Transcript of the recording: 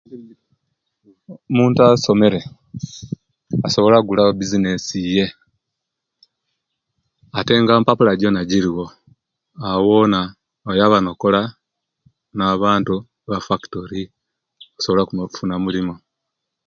Omuntu asomere asobola okuwigulawo bizinesi yiye ate nga empapula jona jiriwo awo wona oyaba nokola nabantu ba factori osobola okufuna omulimo